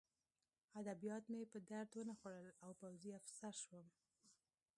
ادبیات مې په درد ونه خوړل او پوځي افسر شوم